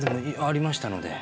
ありました？